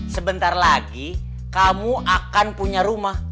sebentar lagi kamu akan punya rumah